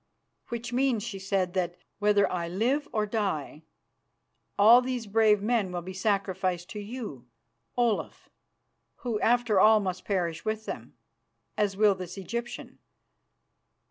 "Which means," she said, "that, whether I live or die, all these brave men will be sacrificed to you, Olaf, who, after all, must perish with them, as will this Egyptian.